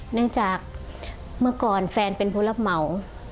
เนื่องจากเมื่อก่อนแฟนเป็นผู้รับเหมา